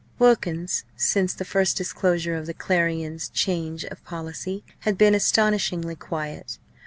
Wilkins, since the first disclosure of the Clarion change of policy, had been astonishingly quiet.